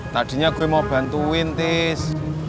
tadinya gue mau bantuin tis